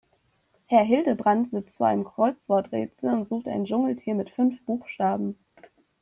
Herr Hildebrand sitzt vor einem Kreuzworträtsel und sucht ein Dschungeltier mit fünf Buchstaben.